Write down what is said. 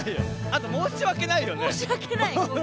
あと、申し訳ないよね。